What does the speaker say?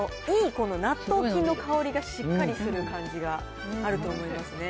この納豆菌の香りがしっかりする感じがあると思いますね。